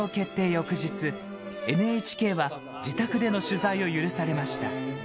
翌日、ＮＨＫは自宅での取材を許されました。